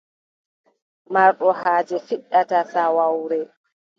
Marɗo haaje fiɗɗata saawawre.